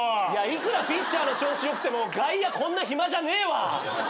いくらピッチャーの調子良くても外野こんな暇じゃねえわ！